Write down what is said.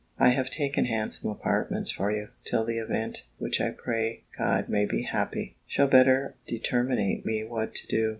I have taken handsome apartments for you, till the event, which I pray God may be happy, shall better determinate me what to do.